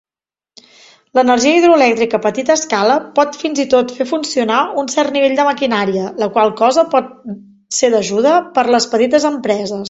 L'energia hidroelèctrica a petita escala pot fins i tot fer funcionar un cert nivell de maquinària, la qual cosa pot ser d'ajuda per a les petites empreses.